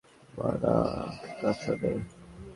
মারা, খাসনে!